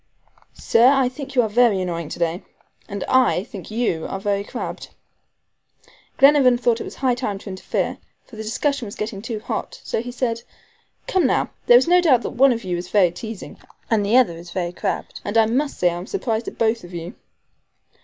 "Sir, I think you are very annoying to day." "And I think you are very crabbed." Glenarvan thought it was high time to interfere, for the discussion was getting too hot, so he said: "Come, now, there is no doubt one of you is very teasing and the other is very crabbed, and I must say I am surprised at both of you."